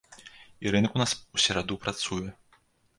І рынак у нас у сераду працуе.